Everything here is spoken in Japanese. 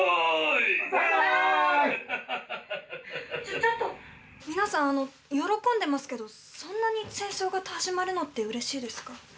ちょっと皆さん喜んでますけどそんなに戦争が始まるのってうれしいですか？